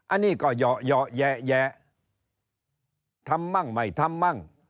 อันนี้ก็ย่อย่อแหย่แหย่ทำมั่งไม่ทำมั่ง